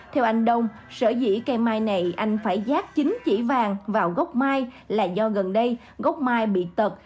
theo anh đông sở dĩ cây mai này anh phải giác chính chỉ vàng vào gốc mai là do gần đây gốc mai bị tật